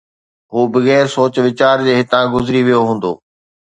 هو بغير سوچ ويچار جي هتان گذري ويو هوندو